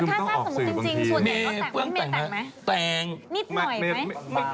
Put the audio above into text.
คือถ้าแกสมมติจริงส่วนเด็กก็แต่งไหมมีแต่งไหม